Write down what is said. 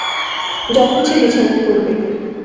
যখন সে বিছানায় পড়বে।